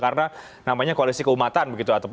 karena namanya koalisi keumatan